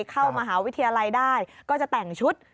เข้ามหาวิทยาลัยได้ก็จะแต่งชุด